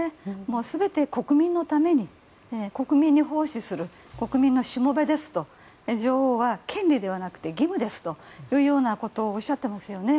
全て国民のために国民に奉仕する国民のしもべですと女王は権利ではなくて義務ですということをおっしゃってますよね。